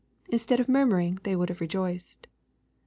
Instead of murmuring they would have rejoiced.